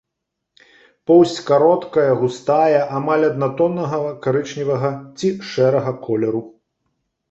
Поўсць кароткая, густая, амаль аднатоннага карычневага ці шэрага колеру.